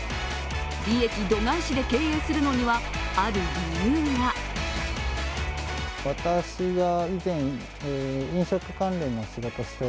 利益度外視で経営するのにはある理由が。